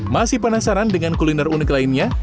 masih penasaran dengan kuliner unik lainnya